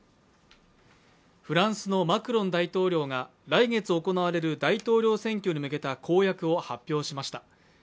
フランスのマクロン大統領が来月行われる大統領選挙に向けた公約を発表しました。